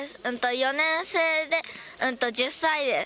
４年生で１０歳です。